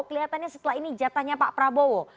kelihatannya setelah ini jatahnya pak prabowo